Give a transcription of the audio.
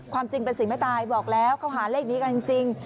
ความจริงเป็นสีไม่ตายบอกแล้วเขาหาเลขนี้กันจริง